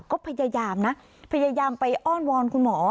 ก็พยายามนะพยายามไปอ้อนวอนคุณหมอ